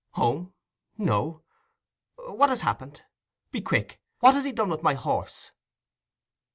"Home? no. What has happened? Be quick. What has he done with my horse?"